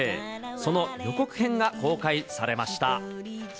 その予告編が公開されました。